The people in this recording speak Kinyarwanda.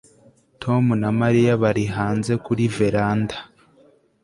Tom na Mariya bari hanze kuri veranda